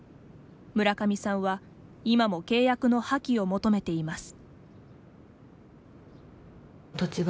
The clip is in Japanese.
村上さんは今も契約の破棄を求めています。